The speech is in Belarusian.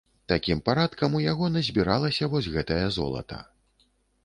Такім парадкам у яго назбіралася вось гэтае золата.